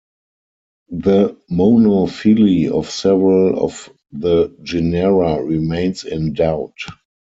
The monophyly of several of the genera remains in doubt.